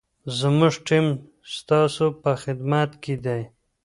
زموږ ټیم ستاسو په خدمت کي دی.